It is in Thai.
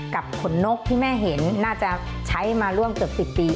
กับขนนกที่แม่เห็นน่าจะใช้มาร่วมเกือบ๑๐ปี